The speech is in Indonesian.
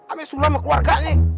ambil sulam ke keluarganya